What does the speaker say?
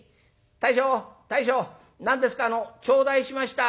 大将大将何ですかあの頂戴しました」。